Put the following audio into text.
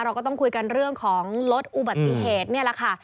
เราก็ต้องคุยกันเรื่องของลดอุบัติเหตุนี่แหละค่ะ